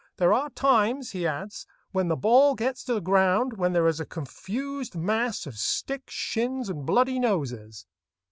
"There are times," he adds, "when the ball gets to the ground, when there is a confused mass of sticks, shins, and bloody noses."